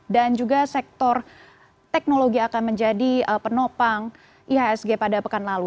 dan juga sektor teknologi akan menjadi penopang ihsg pada pekan lalu